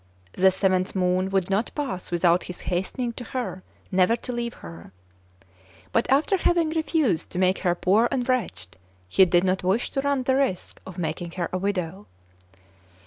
The seventh moon would not pass without his hasten ing to her never to leave her. But, after having refused to make her poor and wretched, he did not wish to run the risk of making her a widow.